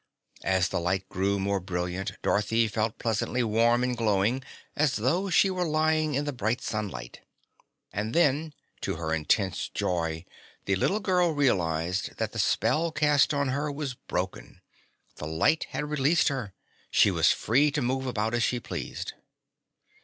As the light grew more brilliant, Dorothy felt pleasantly warm and glowing, as though she were lying in the bright sunlight. And then to her intense joy the little girl realized that the spell cast on her was broken. The light had released her. She was free to move about as she pleased.